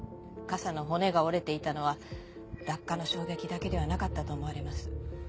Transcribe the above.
傘の骨が折れていたのは落下の衝撃だけではなかったと思われます。